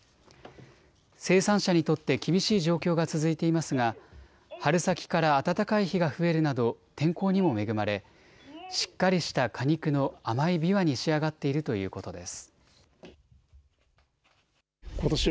生産者にとって厳しい状況が続いていますが、春先から暖かい日が増えるなど、天候にも恵まれ、しっかりした果肉の甘いびわに仕上がっているということです。